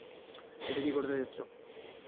এটাই কি ঘটাতে চাচ্ছ?